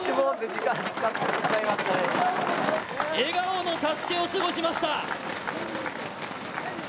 笑顔のＳＡＳＵＫＥを過ごしました。